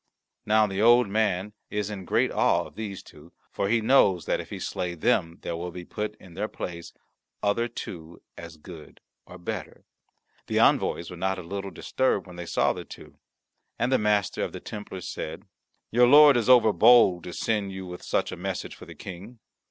Now the Old Man is in great awe of these two, for he knows that if he slay them there will be put in their place other two as good or better. The envoys were not a little disturbed when they saw the two. And the Master of the Templars said, "Your lord is over bold to send you with such a message for the King.